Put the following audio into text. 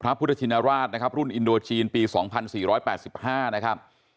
พระพุทธชินราชมรุ่นอินโดเชียนปี๒๔๘๕นะครับ